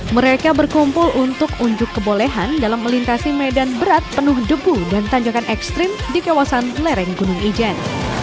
mereka berkumpul untuk unjuk kebolehan dalam melintasi medan berat penuh debu dan tanjakan ekstrim di kawasan lereng gunung ijen